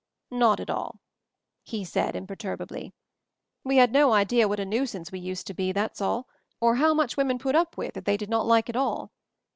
'Not at all," he said, imperturbably. "We had no idea what a nuisance we used to be, that's all ; or how much women put up with that they did not like at all.